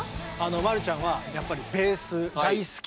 マルちゃんはやっぱりベース大好き。